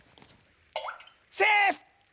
セーフ！